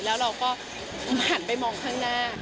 แล้วเราก็หันไปมองข้างหน้า